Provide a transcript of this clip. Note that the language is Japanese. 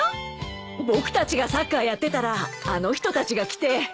僕たちがサッカーやってたらあの人たちが来て。